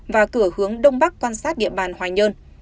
và cửa hướng đông bắc quan sát địa bàn hoài nhơn